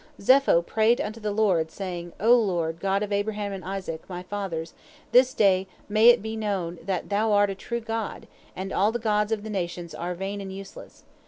Zepho prayed unto the Lord, saying: "O Lord, God of Abraham and Isaac, my fathers, this day may it be made known that Thou art a true God, and all the gods of the nations are vain and useless.